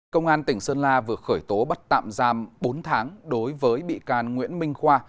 công an tỉnh sơn la vừa khởi tố bắt tạm giam bốn tháng đối với bị can nguyễn minh khoa